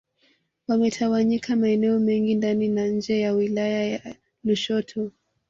Wametawanyika maeneo mengi ndani na nje ya wilaya ya Lushoto